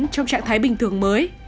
trong trạng thái bình thường mới